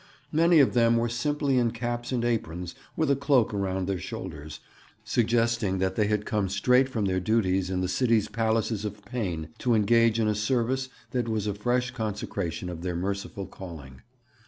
Many of them were simply in caps and aprons with a cloak around their shoulders, suggesting that they had come straight from their duties in the city's palaces of pain to engage in a service that was a fresh consecration of their merciful calling.